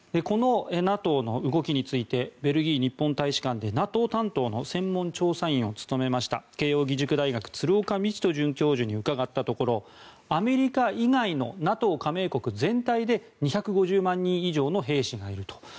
このＮＡＴＯの動きについてベルギー日本大使館でＮＡＴＯ担当の専門調査員を務めました慶應義塾大学鶴岡路人准教授に伺ったところアメリカ以外のＮＡＴＯ加盟国全体で２５０万人以上の兵士がいると。